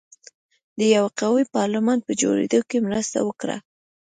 د یوه قوي پارلمان په جوړېدو کې مرسته وکړه.